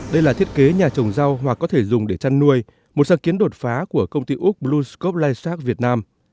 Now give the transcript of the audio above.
đây là thiết kế nhà trồng rau hoặc có thể dùng để chăn nuôi một sáng kiến đột phá của công ty úc blue scope livestock việt nam